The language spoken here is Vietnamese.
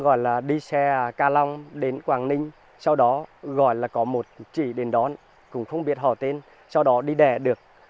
gọi là đi xe ca long đến quảng ninh sau đó gọi là có một chị đến đón cũng không biết họ tên sau đó đi đẻ được